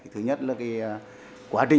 thứ nhất là cái